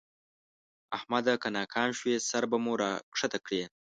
احمده! که ناکام شوې؛ سر به مو راکښته کړې.